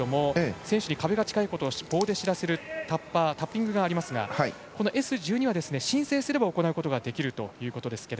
選手に壁が近いことを教えるタッピングがありますがＳ１２は申請すれば行うことができます。